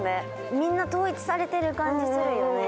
みんな統一されている感じするよね。